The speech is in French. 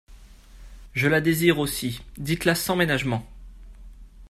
Je la désire aussi, dites-la sans ménagement.